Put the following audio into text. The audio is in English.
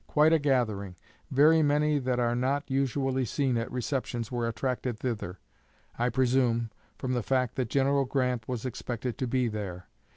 Quite a gathering; very many that are not usually seen at receptions were attracted thither, I presume, from the fact that General Grant was expected to be there.